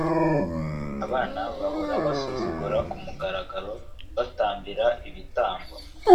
abana bahora bansuzugura ku mugaragaro batambira ibitambo